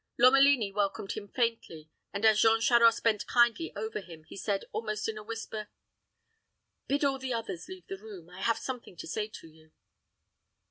Lomelini welcomed him faintly; and as Jean Charost bent kindly over him, he said, almost in a whisper, "Bid all the others leave the room I have something to say to you."